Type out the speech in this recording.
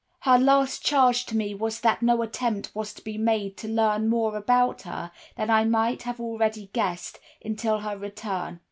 "Her last charge to me was that no attempt was to be made to learn more about her than I might have already guessed, until her return.